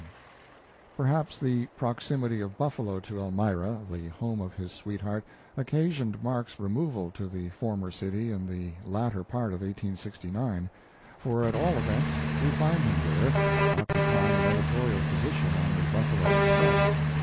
102 Mark Twain Perhaps the proximity of Buffalo to Eltnira, the home of his sweetheart, oc casioned Mark s removal to the former city in the latter part of 1869, for at all events we find him there, occupying an editorial position on the Buffalo Express.